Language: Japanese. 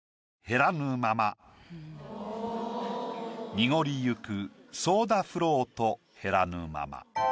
「濁りゆくソーダフロート減らぬまま」。